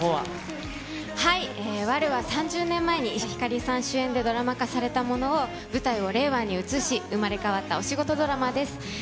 悪女は３０年前に、石田ひかりさん主演でドラマ化されたものを舞台を令和に移し、生まれ変わったお仕事ドラマです。